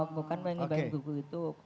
bukan mengibati buku itu